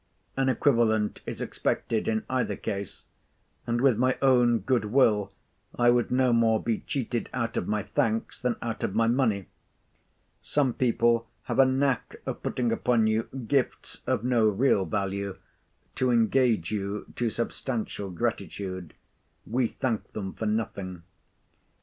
An equivalent is expected in either case; and, with my own good will, I would no more be cheated out of my thanks, than out of my money. Some people have a knack of putting upon you gifts of no real value, to engage you to substantial gratitude. We thank them for nothing.